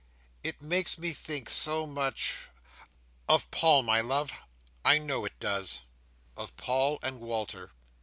It makes me think so much—" "Of Paul, my love. I know it does." Of Paul and Walter.